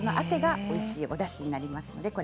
汗がおいしいだしになります。